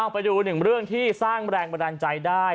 ไปดูหนึ่งเรื่องที่สร้างแรงบันดาลใจได้